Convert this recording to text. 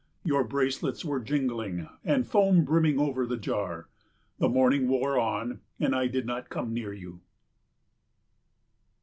Your bracelets were jingling, and foam brimming over the jar. The morning wore on and I did not come near you.